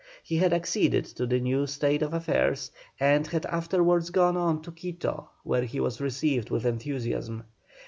He had acceded to the new state of affairs, and had afterwards gone on to Quito, where he was received with enthusiasm.